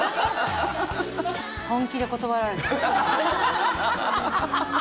本気で断られた。